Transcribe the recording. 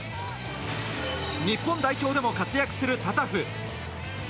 日本代表でも活躍するタタフ。